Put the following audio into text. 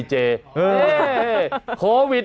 ใช่